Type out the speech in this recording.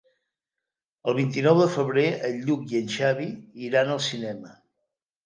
El vint-i-nou de febrer en Lluc i en Xavi iran al cinema.